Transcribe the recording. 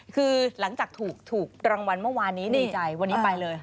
คือหลังจากถูกรางวัลเมื่อวานนี้ดีใจวันนี้ไปเลย